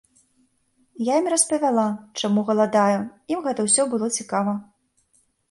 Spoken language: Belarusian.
Я ім распавяла, чаму галадаю, ім гэта ўсё было цікава.